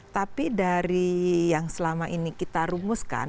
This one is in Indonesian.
tapi dari yang selama ini kita rumuskan